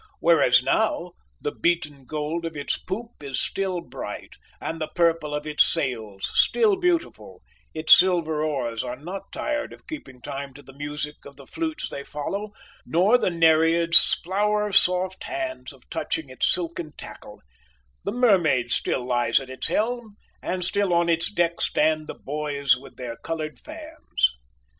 Whereas now the beaten gold of its poop is still bright, and the purple of its sails still beautiful; its silver oars are not tired of keeping time to the music of the flutes they follow, nor the Nereid's flower soft hands of touching its silken tackle; the mermaid still lies at its helm, and still on its deck stand the boys with their coloured fans.